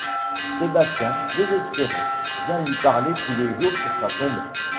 Sébastien, désespéré, vient lui parler tous les jours sur sa tombe.